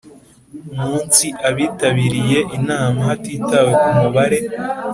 Munsi abitabiriye inama hatitawe ku mubare